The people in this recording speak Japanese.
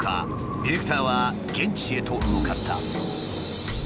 ディレクターは現地へと向かった。